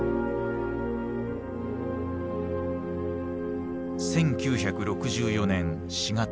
１９６４年４月５日。